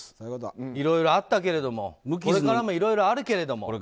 いろいろあったけれどもこれからもいろいろあるけれども。